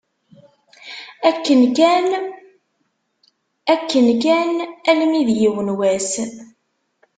Akken kan, akken kan, almi d yiwen wass.